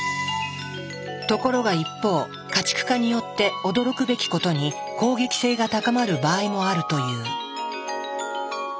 ところが一方家畜化によって驚くべきことに攻撃性が高まる場合もあるという。